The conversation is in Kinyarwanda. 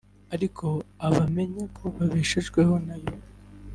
ariko abamenye ko babeshejweho nayo